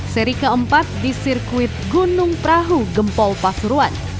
seri keempat di sirkuit gunung perahu gempol pasuruan